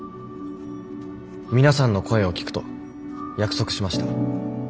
皆さんの声を聞くと約束しました。